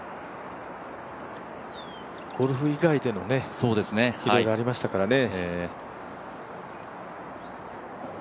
ゴルフ以外でのねいろいろありましたからね。